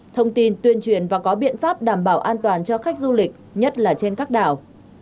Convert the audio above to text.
thông tin tuyên truyền và có biện pháp đảm bảo an toàn cho khách du lịch nhất là trên các đảo